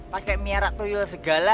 pakai miara tuyul segala